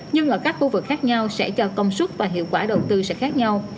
nhưng ở các khu vực khác nhau sẽ cho công suất và hiệu quả đầu tư sẽ khác nhau